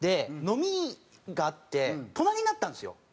飲みがあって隣になったんですよ。